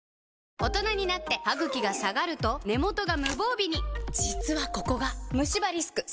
大人になってハグキが下がると根元が無防備に実はここがムシ歯リスク３倍！